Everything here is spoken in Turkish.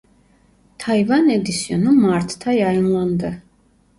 Tayvan edisyonu martta yayınlandı.